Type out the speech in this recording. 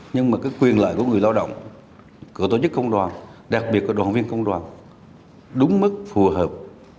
nhưng mà cái quyền lợi của người lao động của tổ chức công đoàn đặc biệt là đoàn viên công đoàn đúng mức phù hợp